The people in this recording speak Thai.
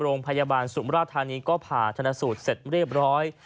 โรงพยาบาลสุมราชธานีก็ผ่าธนสูตรเสร็จเรียบร้อย